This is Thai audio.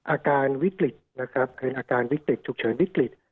อาการวิกฤตนะครับเป็นอาการวิกฤตฉุกเฉินวิกฤต